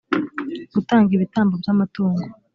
gutanga ibitambo by’amatungo.